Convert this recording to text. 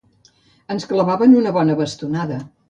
Ens clavaven una bona bastonada.